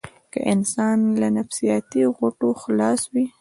که انسان له نفسياتي غوټو خلاص وي.